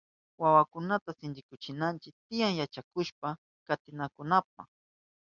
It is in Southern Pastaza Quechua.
Wawakunata sinchikuchinanchi tiyan yachakushpa katinankunapa.